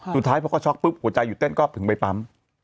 สุดท้ายพอเขาช็อกปุ๊บหัวใจหยุดเต้นก็ถึงไปปั๊ม